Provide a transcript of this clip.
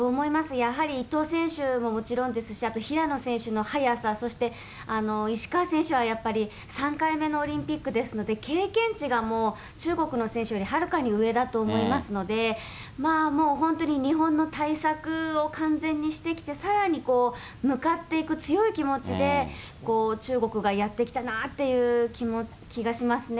やはり伊藤選手ももちろんですし、あと平野選手の速さ、そして石川選手はやっぱり、３回目のオリンピックですので、経験値がもう、中国の選手よりはるかに上だと思いますので、まあもう本当に日本の対策を完全にしてきて、さらに向かっていく強い気持ちで、中国がやってきたなっていう気がしますね。